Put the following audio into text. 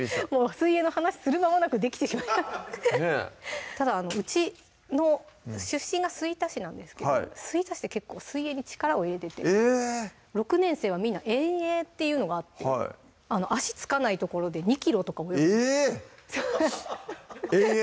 水泳の話する間もなくできてねっただうちの出身が吹田市なんですけど吹田市って結構水泳に力を入れてて６年生はみんな遠泳っていうのがあって足着かない所で２ｋｍとか泳ぐえぇ⁉遠泳？